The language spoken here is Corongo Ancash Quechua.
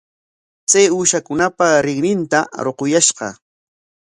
Chay uushakunapa rinrinta ruquyashqa.